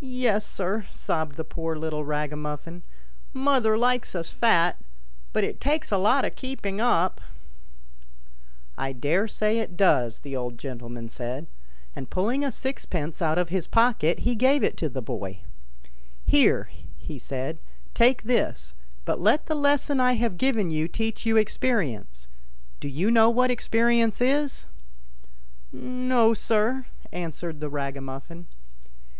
"Yes, sir," sobbed the poor little ragamuffin, " mother likes us fat ; but it takes a lot of keeping up." MARY LEE BEGAN TO CRY. P. 58. iv.] THE THREE LITTLE RAGAMUFFINS. 59 " I daresay it does," the old gentleman said, and, pulling a sixpence out of his pocket, he gave it to the boy. " Here," he said, "take this; but let the lesson I have given you teach you experience. Do you know what experience is ?"" No, sir," answered the ragamuffin.